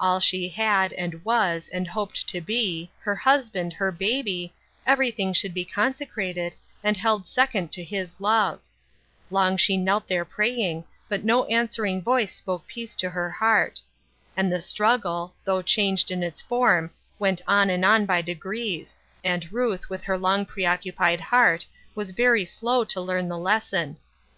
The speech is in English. All she had, and was, and hoped to be, her husband, her baby — everything should be consecrated, be held second to his love. Long she knelt there praying, but no answering voice spoke peace to her heart. And the struggle, though changed in its form, went on and on by degrees, and Ruth with her long preoccupied heart was very slow to learn the lesson.